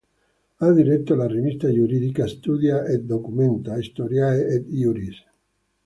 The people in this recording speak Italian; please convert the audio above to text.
Ha diretto la rivista giuridica "Studia et Documenta Historiae et Iuris".